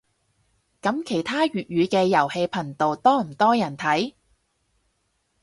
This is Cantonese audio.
噉其他粵語嘅遊戲頻道多唔多人睇